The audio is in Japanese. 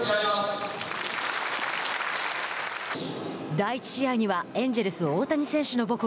第１試合にはエンジェルス大谷選手の母校